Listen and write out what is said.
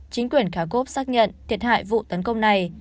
chính quyền carbov xác nhận thiệt hại vụ tấn công này